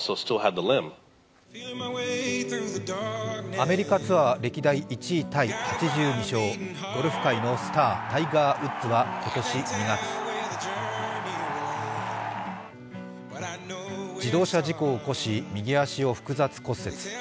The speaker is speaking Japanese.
アメリカツアー歴代１位タイ、８２勝、ゴルフ界のスター、タイガー・ウッズは今年２月自動車事故を起こし右足を複雑骨折。